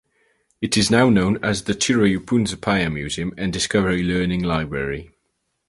It is now known as the Chirayu–Poonsapaya Museum and Discovery Learning Library.